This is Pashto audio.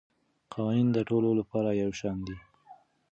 قوانین د ټولو لپاره یو شان دي.